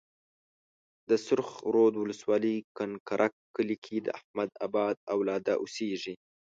د سرخ رود ولسوالۍ کنکرک کلي کې د احمدآبا اولاده اوسيږي.